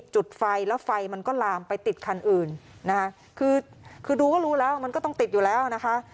จุดไฟแล้วไฟมันก็ลามไปติดคันอื่นนะคะคือคือดูก็รู้แล้วมันก็ต้องติดอยู่แล้วนะคะ